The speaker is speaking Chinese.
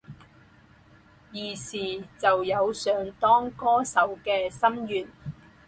儿时就有想当歌手的心愿。